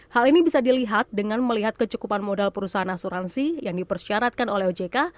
hal ini bisa dilihat dengan melihat kecukupan modal perusahaan asuransi yang dipersyaratkan oleh ojk